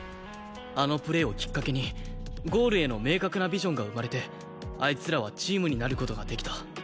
あのプレーをきっかけにゴールへの明確なビジョンが生まれてあいつらはチームになる事ができた。